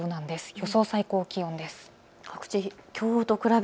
予想最高気温です。